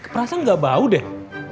perasaan nggak bau deh